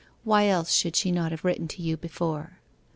Why else should she not have written to you before?